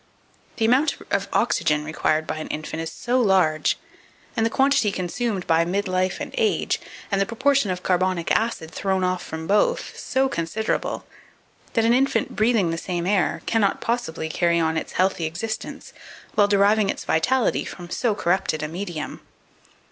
2470. The amount of oxygen required by an infant is so large, and the quantity consumed by mid life and age, and the proportion of carbonic acid thrown off from both, so considerable, that an infant breathing the same air cannot possibly carry on its healthy existence while deriving its vitality from so corrupted a medium.